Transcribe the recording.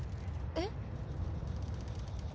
「えっ？」